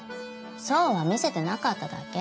そうは見せてなかっただけ。